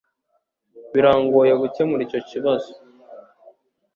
Birangoye gukemura icyo kibazo